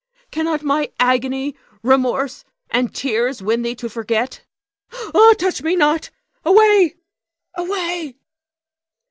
Cannot my agony, remorse, and tears win thee to forget? Ah, touch me not! Away! away!